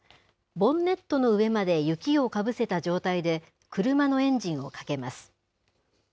ボンネットの上まで雪をかぶせた状態で、車のエンジンをかけます。